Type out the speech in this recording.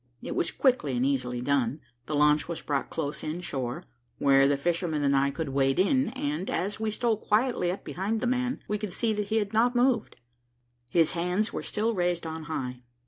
It was quickly and easily done. The launch was brought close in shore, where the fisherman and I could wade in, and, as we stole quietly up behind the man, we could see that he had not moved. His hands were still raised on high.